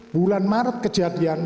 bulan maret kejadian